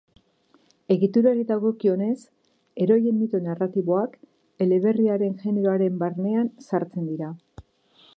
Egiturari dagokionez, heroien mito narratiboak, eleberriaren generoaren barnean sartzen dira.